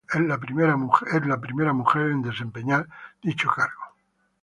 Es la primera mujer en desempeñar dicho cargo.